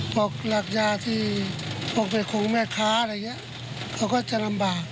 ปลอกรักยาที่ปลอกไปคงแม่ค้าอะไรอย่างเงี้ยเขาก็จะลำบากครับผม